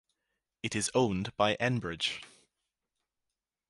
It is owned by Enbridge.